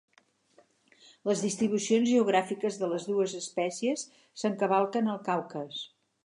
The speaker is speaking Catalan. Les distribucions geogràfiques de les dues espècies s'encavalquen al Caucas.